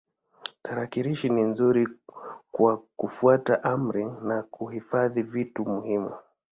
Tarakilishi ni nzuri kwa kufuata amri na kuhifadhi vitu muhimu.